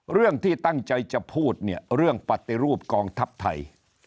เรื่องที่ตั้งใจจะพูดเนี่ยเรื่องปฏิรูปกองทัพไทย